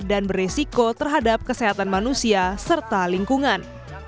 dan beresiko terhadap kesehatan manusia serta lingkungan